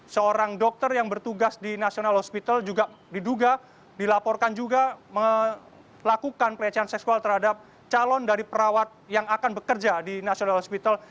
seorang dokter yang bertugas di national hospital juga diduga dilaporkan juga melakukan pelecehan seksual terhadap calon dari perawat yang akan bekerja di national hospital